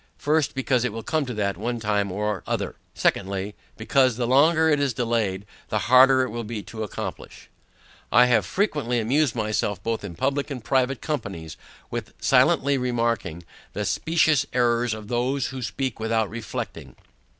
First, Because it will come to that one time or other. Secondly, Because, the longer it is delayed the harder it will be to accomplish. I have frequently amused myself both in public and private companies, with silently remarking, the specious errors of those who speak without reflecting.